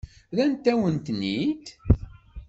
Rrant-awen-ten-id?